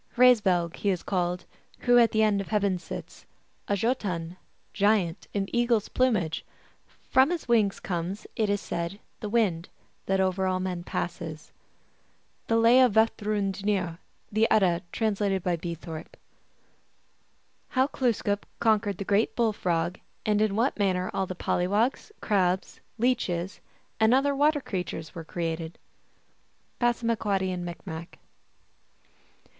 " Hraesvelg he is called Who at the end of heaven sits, A Jbtun (giant) in eagle s plumage : From his wings comes, It is said, the wind That over all men passes." (The Lay of Vafthrudnir. The Edda, trans, by B. Thorpe.) 114 THE ALGONQUIN LEGENDS. How Glooskap conquered the Great Bull Frog, and in what Manner all the Pollywogs, Crabs, Leeches, and other Water Creatures were created. (Passamaquoddy and Micmac.)